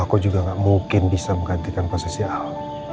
aku juga gak mungkin bisa menggantikan posisi ah